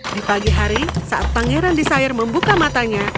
di pagi hari saat pangeran desire membuka matanya